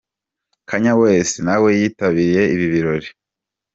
Kanye West nawe yitabiriye ibi birori.